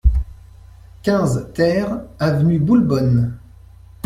quinze TER avenue Boulbonne